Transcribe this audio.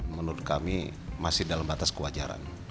menurut kami masih dalam batas kewajaran